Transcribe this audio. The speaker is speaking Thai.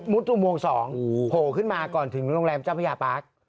จุโมง๒โผล่ขึ้นมาก่อนถึงโรงแรมเจ้าพญาปาร์ค